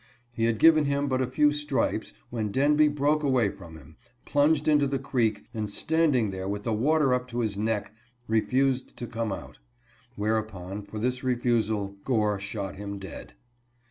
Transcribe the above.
He had given him but a few stripes when Denby broke away from him, plunged into the creek, and, stand ing there with the water up to his neck, refused to come out; whereupon, for this refusal, Gore shot Mm dead!